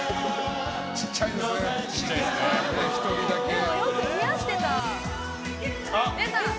でも、よく似合ってた。